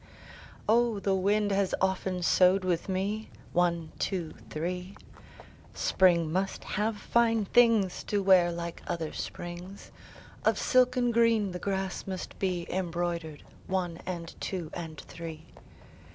(Oh, the wind has often sewed with me! One, two, three.) Spring must have fine things To wear, like other springs. Of silken green the grass must be Embroidered. (One and two and three.)